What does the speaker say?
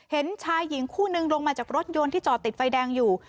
เห็นชายหญิงคู่นึงลงมาจากรถยนต์ที่จอดติดไฟแดงอยู่